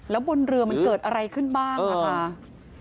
แล้วบนเรือมันเกิดอะไรขึ้นบ้างนะคะ